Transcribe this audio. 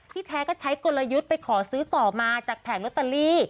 แท้ก็ใช้กลยุทธ์ไปขอซื้อต่อมาจากแผงลอตเตอรี่